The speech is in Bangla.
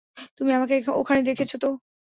তুমি আমাকে ওখানে দেখেছ তো?